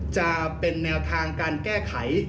จะเป็นแนวทางการแก้ไข